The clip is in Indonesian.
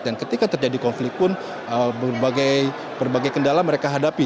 dan ketika terjadi konflik pun berbagai kendala mereka hadapi